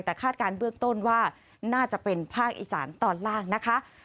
แต่คาดการณ์เบื้องต้นว่าน่าจะเป็นภาคอีสานตอนล่างนะคะ